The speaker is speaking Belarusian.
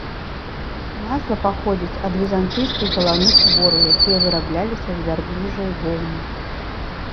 Назва паходзіць ад візантыйскіх галаўных убораў, якія вырабляліся з вярблюджай воўны.